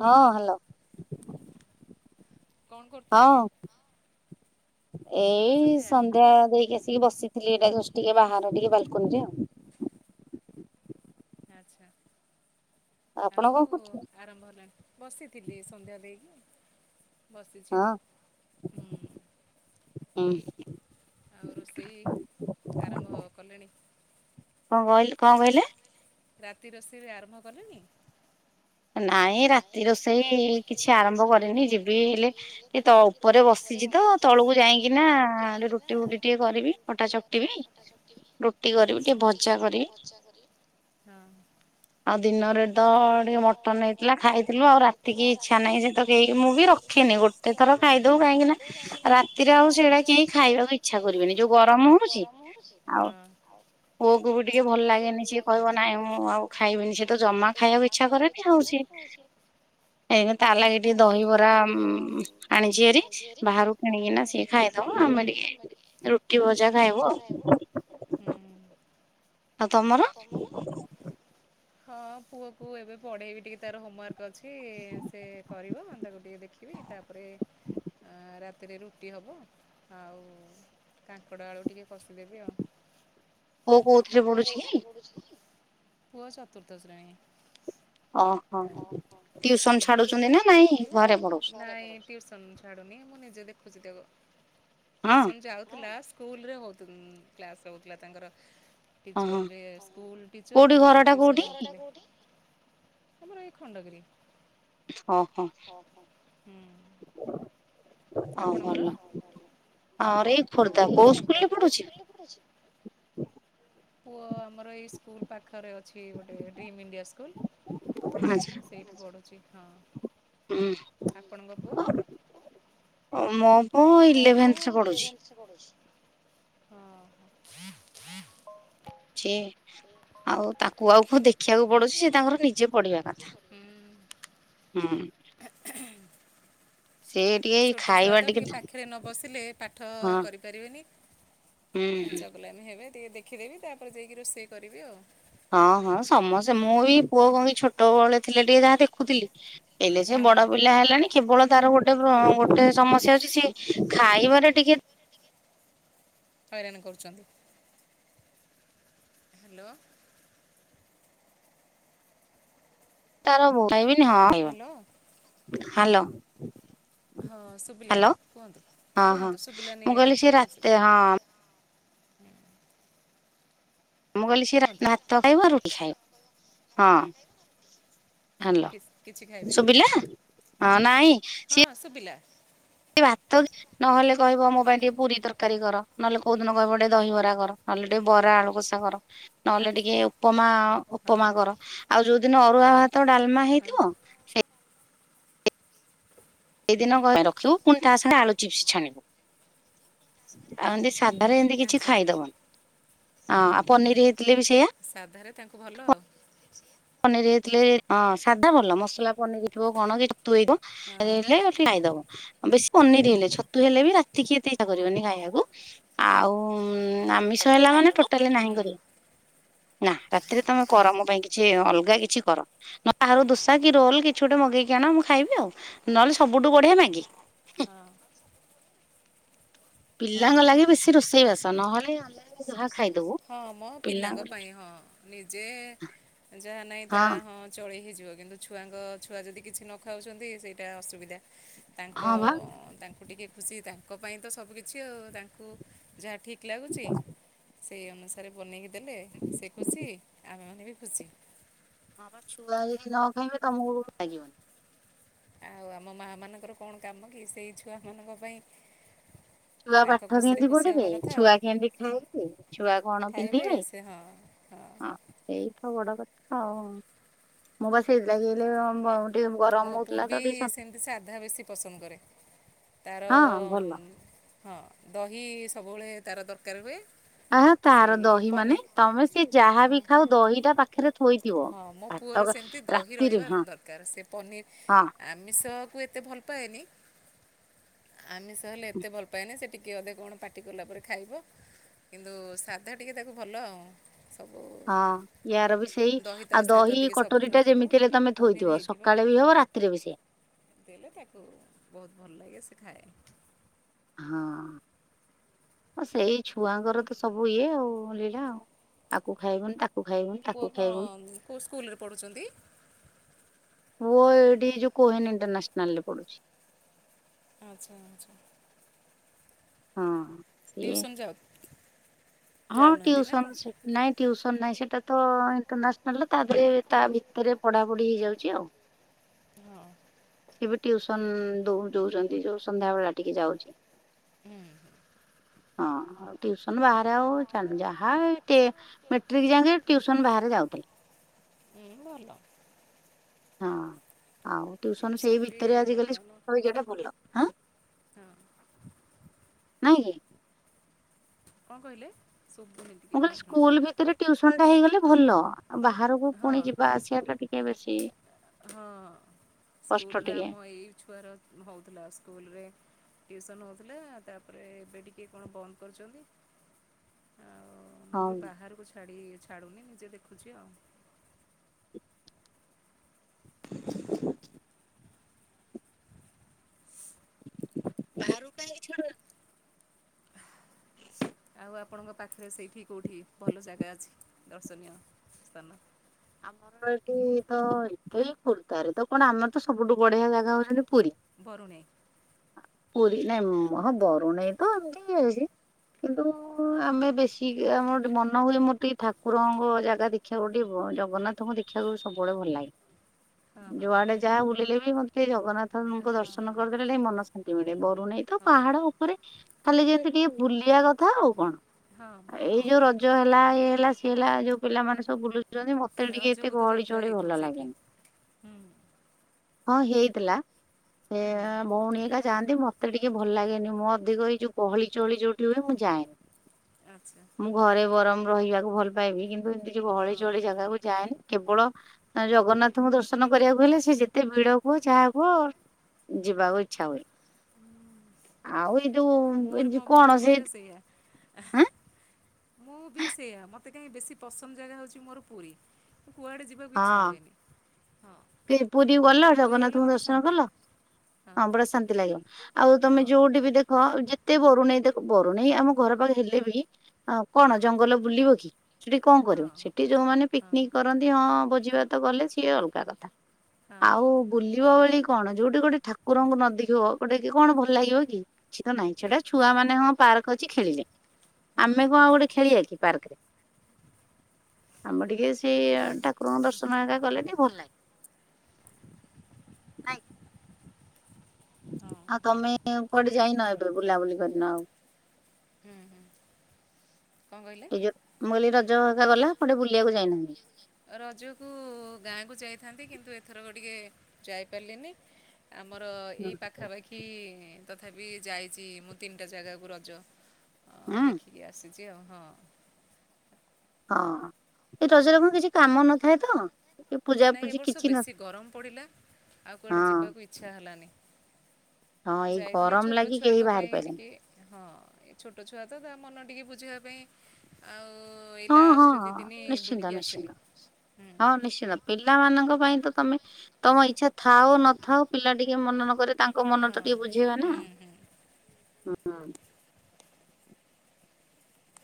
ହଁ ହ୍ୟାଲୋ। ହଁ ଏଇ ସନ୍ଧ୍ୟା ଦେଇକି ଆସିକି ବସି ଥିଲଟା ଟିକେ ବାହ ଟିକେ ବାଲକନି ରେ ଆଉ। ଆଚ୍ଛା। ଆଉ ଆରମ୍ଭ ହେଲାଣି ବସିଥିଲି ସନ୍ଧ୍ୟା ଦେଇକି। ବସିଛିୁ ଆଉ ହୁଁ। ହୁଁ। ଆଉ ରୋଷେଇ ଆରମ୍ଭ କଲେଣି? କଣ କହି କଣ କହିଲେ? ରାତି ରୋଷେଇରେ ଆରମ୍ଭ କଲେଣିି? ନାଇଁ ରାତି ରୋଷେଇ କିଛି ଆରମ୍ଭ କରିରେନି ଯିବି ହେଲେ ତ ଉପରେ ବସ ପରେ ବସିଛି ତ ତଳକୁ ଯାଇକି ନା ରୁଟି ବୁଟି ଟିକେ କରିବି କଟା ଚକ୍ଟିବି। ଆଛା ରୁଟି କରିବି ଟିକେ ବାଜ କରିବି ହ। ଆଉ ଦିନରେ ତ ଟିକେ ମୋଟ ଟନ ହେଇଥିଲା ଖାଇଥିଲୁ ଆଉ ରାତିକି ଇଚ୍ଛା ନାହିଁ ସେ ତ କେହି ମୁଁ ବି ରଖିନି ଗୋଟେ ଥର ଖାଇଦବଉ କାହିଁକି ନା ରାତିରେ ଆଉ ସେଇଟା କେହି ଖାଇବାକୁ ଇଚ୍ଛା କରିବେନି ଯୋଉ ଗରମ ହଉଛି ଆଉ ପୁଅ କ ବି ଟିକେ ଭଲ ଲାଗେନି ସିଏ କହିବ ନାଇଁ ମୁଁ ଆଉ ଖାଇବିନି ସେ ତ ଜମା ଖାଇବାକୁ ଇଚ୍ଛା କରେନି। ଇଛା କରେନି ଆଉ ସିଏ ଏ ତା ଲାଗି ଟିକେ ଦହିିବରା ଆଣିଛିଭାରି ବାହାରୁ କିଣିକିନା ସେ ଖାଇଦବ ଆମେ ଟିକେ ରୁଟି ଭଜା ଖାଏବୁ ଆଉ ହୁଁ। ଆଉ ତମର? ହଁ ପୁଅ କୁ ଏବେ ପଢେଇବି ଟିକେ ତାର ହୋମୱାର୍କ କ ଅଛି ସେ କରିବ ତାକୁ ଟିକେ ଦେଖିବି ତାପରେ ରା ତିରେ ରୁଟି ହେବ ଆଉ କାଙ୍କଡ଼ ଆଳୁ ଟିକେ କଷିଦେବି ଆଉ। ପୁଅ କୋଉଥିରେ ପଡୁଛି କି? ପୁଅ ଚତୁର୍ଥ ଶ୍ରେଣୀ। ଓ ହୋ। ଟିଉସନ୍ ଛାଡୁଚନ୍ତି ନା ନାହିଁ ଘରେ ନାହିଁ ଟିଉସନ୍ ଛାଡୁନି ମୁଁ ନିଜେ ଦେଖୁଛି ତାକୁ। ଟିଉସନ ଯାଉଥିଲା ସ୍କୁଲରେ ହଉ ଥିନ୍ କ୍ଲାସ୍ ହଉଥିଲା ତାଙ୍କର। ଟିଚନ ରେ ସ୍କୁଲ୍ ଟିଚର ତାଙ୍କୁ ଟିଉସନ କରୁଥିଲେ କୋଉଠି ଘରଟା କୋଉଠି। ଆମର ଏଇ ଖଣ୍ଡଗିରି। ଅ ହ ହୁଁ ଆପଣଙ୍କର। ଆର ଏଇ ଖୋର୍ଦ୍ଧା କୋଉ ସ୍କୁଲରେ ପଢୁଚି? ପୁଅ ଆମର ଏଇ ସ୍କୁଲ ପାଖ୍ ପାଖରେ ଅଛି ଗୋଟେ ଡ୍ରିମ ଇଣ୍ଡିଆ ସ୍କୁଲ, ସେଇଠୁ ପଢୁଚି। ହଁ। ଆପଣଙ୍କ ପୁଅ। ମୋ ପୁଅ ଇଲେଭେନଥ ପଢୁଛି। ଚି ଆଉ ତାକୁ ଆଉ କୋଉ ଦେଖିବାକୁ ପଡୁଚି। ତାଙ୍କର ନିଜେ ପଢିବା କଥା ହୁଁ। ସେ ଛୋଟ ଛୁଆ ତ ଟିକେ ପାଖରେ ନ ବସିଲେ ପାଠ କରିପାରିବେନି। ଆ ଚଗଲାମି ହେବେ ଟିକେ ଦେଖିଦେବି ତାପରେ ଯାଇକି ରୋଷେଇ କରିବି ଆଉ। ହଁ ହଁ ସମସ୍ତେ ମୁଁ ବି ପୁଅ କଁ କି ଛୋଟବେଳେ ଥିଲେ ଯାହା ଟିକେ ଦେଖୁଥିଲି। ଏଲେ ସେ ବଡ ପିଲା ହେଲାଣି କେବଳ ତାର ଗୋ ଗୋଟେ ପ୍ର ଗୋଟେ ସମସ୍ୟା ହଉଛି ସେ ଖାଇବାରେ ଟିକେ। ହଇରାଣ କରୁଚନ୍ତି। ହାଲୋ। ତାର ବ ଖାଇବିନି ହଁ ଖାଇବନି ହାଲୋ। ହଁ ଶୁଭିଲାନି କୁହନ୍ତୁ କୁହନ୍ତୁ ଶୁଭିଲାନି ଏବେଠୁ ଠିକ୍ ସୁ ହୁଁ। ମୁଁ କହିଲି ସେ ରାତିରେ ଭାତ ଖାଇବ, ରୁଟି ଖାଇବ ହଁ। ହାଲୋ ଶୁଭିଲା ହଁ ନାଇଁ ସିଏ। କହିବ ମୋ ପାଇଁ ଟିକେ ପୁରୀ ତରକାରୀ କର ନହେଲେ କୋଉଦିନ କହିବ ଟିକେ ଦହିବରା କର ନହେଲେ ଟିକେ ବରା ଆଳୁ କଷା କର। ନହେଲେ ଟିକେ ଉପମା ଉପମା କର ଆଉ ଯୋଉଦିନ ଅରୁଆ ଭା ଭାତ, ଡାଲମା ହେଇଥିବ ସେ ସେଇ ଦିନ ଖାଇବା ପାଇଁ ରଖିବୁ ପୁଣି ତା ସାଙ୍ଗେ ଆଳୁ ଚିପ୍ସ ଛାଣିବୁ ଆଉ ଏନ୍ତି। ସାଧାରେ ଏନତି କିଛି ଖାଇଦବନି ଆଁ ଆଉ ପନିର ହେଇଥିଲେ ବି ସେଇଆ। ସାଧାରେ ତାଙ୍କୁ ଭଲ ଆଉ। ପନିର ହେଇଥିଲେ ହଁ ସାଧା ଭଲ ମସଲା ପନିର ହେଇଥିବ କଣ ତୁଏଇବ ହେଲେ ଟିକେ ଖାଇଦବ। ବେଶୀ ପନିର ହେଲେ ଛତୁ ହେଲେ ବି ରାତିକି ଏତେ ଇଛା କରିବନି ଖାଇବାକୁ ଆଉ ଉଁ। ଆମିଷ ହେଲା ମାନେ ଟୋଟାଲି ନାହିଁ କରିବ ନା ରାତିରେ ତମେ କର ମୋ ପାଇଁ କି ସିଏ ଅଲଗା କିଛି କର ନହେଲେ ବାହାର ଦୋସା କି ରୋଲ କିଛି ଗୋଟେ ମଗେଇକି ଆଣ ମୁଁ ଖାଇବି ଆଉ ନହେଲେ ସବ୍ ବୁଡୁ ବଢିଆ ନାଇକି। ଉମଃ। [unintelligible] ପିଲାଙ୍କ ଲାଗି ବେଶୀ ରୋଷେଇ ବାସ ନହେଲେ ଆମେ ଯାହା। ହଁ ମୋ ପିଲାଙ୍କ ପାଇଁ ହଁ ନିଜେ ଯାହା ନାଇଁ ତା ହଁ ଚଳି ହେଇଯି ଜିବ କିନ୍ତୁ ଛୁଆଙ୍କ ଛୁଆ ଯଦି କିଛି ନ ଖାଉଚନ୍ତି ସେଇଟା ଅସୁବିଧା। ଇସସ ତାଙ୍କ ତାଙ୍କୁ ଟିକେ ଖୁସି ତାଙ୍କ ପାଇଁ ତ ସବୁ କିିଛି ଆଉ ତାଙ୍କୁ ଯାହା ଠିକ୍ ଲାଗୁଚି। ସେଇ ଅନୁସାରେ ବନେଇକି ଦେଲେ ସେ ଖୁସି ଆମେମାନେ ବି ଖୁସି। ଆମର ଛୁଆ ଯଦି ନ ଖାଇବେ ତମକୁ ଲାଗିବନି। ଆଉ ଆମ ମା ମାନଙ୍କର କଣ କାମ କି ସେଇ ଛୁଆ ମାନଙ୍କ ପାଇଁ ଛୁଆ ପାଠ କେମିତି ପଢିବେ ଛୁଆ କେମିତି ଖାଇବେ ଛୁଆ କଣ ପିନ୍ଧିବେ। ହଁ ସେଇ ତ ବଡ କଥା ଆଉ ମୁଁ ପା ସେଇଥିଲାଗ ଅନେ ଭଉଣୀ ମୋ ପୁଅ ବି ସେମିତି ସାଧା ବେଶୀ ପସନ୍ଦ କରେ। ତାର ହଁ ଦହି ସବୁବେଳେ ତାର ଦରକାର ହୁଏ। ଆ ତାର ଦହି ମାନେ ତମେ ସି ଯାହାବି ଖାଉ ଦହିଟା ପାଖରେ ହଁ ମୋ ପୁଅର ସେମତି ଦହି ରହିବା ଦରକାର ସେ ପନିର ଆମିଷ କୁ ଏତେ ଭଲ ଭଲପାନି। ଆମିଷ ହେଲେ ଏତେ ଭଲ ପାଏନି ସେ ଠିକ୍ କେ ଅଧେ କଣ ପାଟି କଲାପରେ ଖାଇବ କିନ୍ତୁ ସାଧା ଟିକେ ତାକୁ ଭଲ ଆଉ ସବୁ। ହଁ ୟାର ବି ସେଇ ଆଉ ଦହି କଟୋରୀ ଟା ଯେମିତି ହେଲେ ତମେ ଥୋଇଥିବ ସକାଳେ ବି ହବ ରାତିରେ ବି ସେଆ ଦେଲେ ତାକୁ ବହୁତ ଭଲ ଲାଗେ ସେ ଖାଏ। ହଁ। ହ ସେଇ ଛୁଆଙ୍କର ତ ସବୁ ଇଏ ଆଉ ଲୀଳା ଆଉ ଆକୁ ଖାଇବନି ତାକୁ ପୁଅ କଣ କେଉ ସ୍କୁଲରେ ପଢ଼ୁଛନ୍ତି? ପୁଅ ଏଇଠି ଯୋଉ କୋହିନ ଇଣ୍ଟରନ୍ୟାସନାଲ ରେ ପଢ଼ୁଛି। ଆଛା ଆଛା। ହଁ। ଟିଉସନ୍ ଯାଉ ହଁ ଟିଉସନ ସେ ନାଇଁ ଟିଉସ୍ ସନ୍ ନାହିଁ ସେଟା ତ ଇଣ୍ଟରନାସନାଲ ତା ଦେହରେ ତା ଭିତରେ ପଢାପଢି ହେଇଯାଉଛି ଆଉ। ହଁ। ସେ ବି ଟିଉସନ ଦଉ ଦଉଛନ୍ତି ଯଉ ସନ୍ଧ୍ୟା ବଳା ଟିକେ ଯାଉଛି। ହୁଁ ହୁଁ। ହଁ ଟିଉସନ ବା ଯାହା ହେଉ ତାନ ଯାହା ହେଉ ସେ ମେଟ୍ରିକ ଯାଙ୍କେ ଟିଉସନ୍ ବାହାରେ ଯାଉଥିଲେ। ହୁଁ ଭଲ। ହଁ। ଆଉ ଟ୍ୟୁସନ ସେଇ ଭିତରେ ଆଜିିକାଲି [unintelligible] ଟା ଭଲ। ନାଇଁ କି? କଣ କହିଲେ? ମୁଁ କହିଲି ସ୍କୁଲ ଭିତରେ ଟିଉସନ ଟା ହେଇଗଲେ ଭଲ। ବାହାରକୁ ପୁଣି ଯିବା ଆସିବା ଟା ଟିକେ ବେଶୀ ସ୍କୁଲରେ ଆମ ଏଇ ଛୁଆର ହଉଥିଲା ସ୍କୁଲରେ ଟିଉସନ ହଉଥିଲା ତାପରେ ଏବେ ଟିକେ କଣ ବନ୍ଦ କରୁଛନ୍ତି। ଆଉ ମୁଁ ବି ବାହାରକୁ ଛାଡ଼ି ଛାଡ଼ୁନି ନିଜେ ଦେଖୁଛି ଆଉ। ବାହାରୁକୁ କାଇକି ଛାଡୁନ? ଆଉ ଆପଣଙ୍କ ପାଖରେ ସେଇଠି କେଉଠି ଭଲ ଜାଗା ଅଛି ଦର୍ଶନୀୟ ସ୍ଥାନ? ଆମର ଏଠି ତ ଏଠି ଏଇ ଖୋର୍ଦ୍ଧା ରେ ତ କଣ ଆମର ତ ସବୁଠୁ ବଢିଆ ଜାଗା ହଉଛନ୍ତି ପୁରୀ। ବରୁଣେଇ। ପୁରୀ ନାଇଁ ହଁ ବରୁନେଇ ତ ଏମତି ଛି କିନ୍ତୁ ଆମେ ବେଶୀ ଆମର ମନ ହୁଏ ମୋର ଟିକେ ଠାକୁରଙ୍କ ଜାଗା ଦେଖିବାକୁ ଗୋଟିଏ ଜ ଗନ୍ନାଥଙ୍କୁ ଦେଖିବାକୁ ସବୁବେଳେ ଭଲ ଲାଗେ ଯୁଆଡେ ଯାହା ବୁଲିଲେ ବି ମତେ ଟିକେ ଜଗନ୍ନାଥ ଥଙ୍କୁ ଦର୍ଶନ କରିଦେଲେ ଟିକେ ମନ ଶାନ୍ତି। ମିଳେ ବରୁନେଇ ତ ପାହାଡ ଉପରେ ଖାଲି ଯେମିତି ଟିକେ ବୁଲିବା କଥା ଆଉ କଣ। ଏଇ ଯୋଉ ରଜ ହେଲା ଇଏ ହେଲା ସିଏ ହେଲା ଯୋଉ ପିଲାମାନେ ସବୁ ବୁଲୁଛନ୍ତି ରଜକୁ ତ ଯାତ୍ରା ହେଇଥିବ ସେଇଠି ହୁଁ। ହଁ ହେଇଥିଲା ସେ ଭଉଣୀ ଏକା ଯାଆନ୍ତି ମତେ ମତେ ଟିକେ ଭଲ ଲାଗେନି ମୁଁ ଅଧିକ ଏଇ ଯୋଉ ଗହଳି ଚହଳି ଯୋଉଠି ହୁଏ ମୁଁ ଯାଏନି। ମୁଁ ଘରେ ବରମ ରହିବାକୁ ଭଲ ପାଇବି କିନ୍ତୁ ଏମିତି ଯୋଉ ବହଳି ଚହଳି ଜାଗାକୁ ଯାଏନି କେବଳ ଜଗନ୍ନାଥଙ୍କୁ ଦର୍ଶନ କରିବାକୁ ହେଲେ ସେ ଯେତେ ଭିଡ ହୁଅ ଯାହା ହୁଅ ଯିବାକୁ ଇଚ୍ଛା ହୁଏ। ଆଉ। ମୋର ମୋର ମଧ୍ୟ ସେଇୟା ମୁଁ ବି ସେୟା ମତେ ମତେ କାହିଁ ବେଶୀ ପସନ୍ଦ ଜାଗା ହେଉଛି ମୋର ପୁରୀ ମୁଁ କୁଆଡ଼େ ଯିବାକୁ ଇଚ୍ଛା ହୁଏନି। ପୁରୀ ଗଲ ଜଗନ୍ନାଥଙ୍କୁ ଦର୍ଶନ କଲ ହଁ ବଡ ଶାନ୍ତି ଲାଗିବ। ଆଉ ତମେ ଯୋଉଠି ବି ଦେଖ ଯେତେ ବରୁନେଇ ଦେଖ ବରୁନେଇ ହିଁ ଆମ ଘର ପାଖ ହେଲେ ବି ହଁ କଣ ଜଙ୍ଗଲ ବୁଲିବ କି ସେଠି କଣ କରିବ ସେଠି ଯୋଉମାନେ ପିକନିକ କରନ୍ତି ହଁ ଭୋଜି ଭାତ ଗଲେ ସିଏ ଅଲଗା କଥା ଆଉ ବୁଲିବା ଭଳି କଣ ଯୋଉଠି ଗୋଟେ ଠାକୁରଙ୍କୁ ନଦୀଖୁଅ ଗୋଟେ କି କଣ ଭଲ ଲାଗିବ କିଛି ତ ନାଇଁ ସେଟା ଛୁଆ ମାନେଁ ପାର୍କ ଅଛି ଖେଳିଲେ ଆମେ କଣ ଆଉ ଗୋଟେ ଖେଳିବା କି ପାର୍କରେ ଆମର ଟିକେ ସେଇ ଠାକୁରଙ୍କ ଦର୍ଶନ ହୋ ଗଲେ ଟ ଭଲ ଲାଗେ ନାଇଁ ଆଉ ତମେ କୁଆଡେ ଯାଇନ ଏବେ ବୁଲାବୁଲି କରିନ ଆଉ ହୁଁ ହୁଁ। ଏଇ ଯୋଉ ମୁଁ କହିଲି ରଜ ହକା ଗଲା ପୋଟେ ବୁଲିବାକୁ ଯାଇନାହାନ୍ତି? ରଜକୁ ଗାଁ କୁ ଯାଇଥାନ୍ତି କିନ୍ତୁ ଏଥର ଗ ଟିକେ ଯାଇପାରିଲିନି ଆମର ଏଇ ପାଖାପାଖି ତଥାପି ଯାଇଛି ମୁଁ ତିନିଟା ଜାଗାକୁ ରଜ ଦେଖିକି ଆସିଛି କ ହଁ। ହଁ ଏ ରଜରଙ୍ଗ କିଛି କାମ ନଥାଏ ତ ନାଇଁ ଏ ବର୍ଷ ବେଶୀ ଗରମ ପଡ଼ିଲା ଆଉ କୁଆଡେ ଯିବାକୁ ଇଚ୍ଛା ହେଲାନି ଆ ଯାଇଥିଲି ଛୋଟ ଛୁଆଙ୍କ ପାଇଁ ଟିକେ ହଁ ଏ ଛୋଟ ଛୁଆ ତ ତା ମନ ଟିକେ ବୁଝ ବୁଝିବା ପାଇଁ ଆଉ ଏଇ ଲାଷ୍ଟ ଦିଦିନ ବୁଲିକି ଆସିଲି ପିଲାମାନଙ୍କ ପାଇଁ ତମେ ତମ ଇଚ୍ଛା ଥାଉ ନଥାଉ ପିଲା ଟିକେ ମନେ ନକରେ ତାଙ୍କ ତାଙ୍କ ମନ ତ ଟିକେ ବୁଝେଇବା ନା ହଁ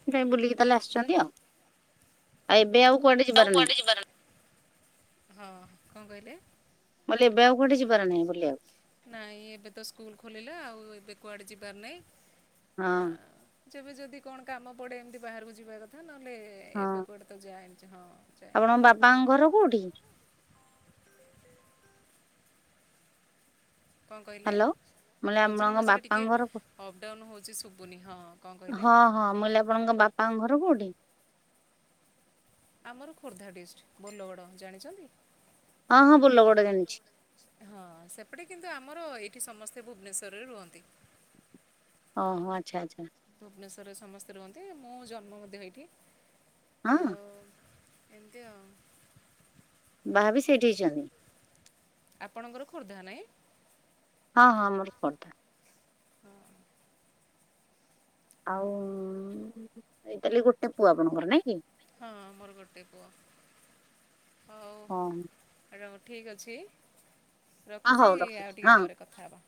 ସେଥିପାଇ ବୁଲିକି ତାହେଲେ ଆସୁଛନ୍ତି ଆଉ ଆଉ ଏବେ ଆଉ ଆଉ କୁଆଡେ ଯିବାର ହଁ କଣ କହିଲେ? ନାଇଁ ଏବେ ତ ସ୍କୁଲ ଖୋଲିଲା ଆଉ ଏବେ କୁଆଡେ ଯିବାର ନାହଁ। ହଁ। ଯେବେ ଯଦି କଣ କାମ ପଡେ, ବାହାରକୁ ଯିବା କଥା ନହଲେ ଏବେ କୁଆଡେ ତୋ ଯାଏ, ହଁ। ଆପଣ ବାପାଙ୍କ ଘର କୋଉଠି? କଣ କାଇଲେ? ମଝିରେ ମଝିରେ ଟିକେ ଅପଡାଉନ ହଉଛି ଶୁଭୁନି, ହଁ କଣ କହିଲେ? ବାପାଙ୍କ ଘର କୋଉଠି? ଆମର ଖୋର୍ଦ୍ଧା ଡିଷ୍ଟ୍ରିକ୍ଟ ବୋଲଗଡ଼ ଜାଣିଛନ୍ତି? ହଁ ସେପଟେ କିନ୍ତୁ ଆମର ଏଠି ସମସ୍ତେ ଭୁବନେଶ୍ୱରରେ ରୁହନ୍ତି। ଓହୋ ଆଚ୍ଛା ଆଚ୍ଛା। ଭୁବନେଶ୍ୱରରେ ସମସ୍ତେ ରୁହନ୍ତି ମୁଁ ଜନ୍ମ ମଧ୍ୟ ଏଇଠି। ହଁ। ଏନ୍ତି ଆଉ। ବାହା ବି ସେଇଠି ହେଇଛନ୍ତି? ଆପଣଙ୍କର ଖୋର୍ଦ୍ଧା ନାଇଁ? ହଁ ହଁ ଆମର ଖୋର୍ଦ୍ଧା। ହଁ। ଆଉ ଏଇଟଲେ ଗୋଟେ ପୁଅ ଆପଣଙ୍କର ନାଇ କି? ହଁ ମୋର ଗୋଟେ ପୁଅ। ହଁ। ଠିକ୍ ଅଛି ରଖୁଛି ଆଉ ଟିକେ ପରେ କଥା ହେବା।